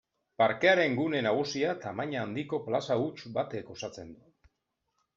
Parkearen gune nagusia tamaina handiko plaza huts batek osatzen du.